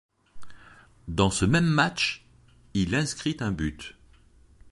Dans ce même match, il inscrit un but.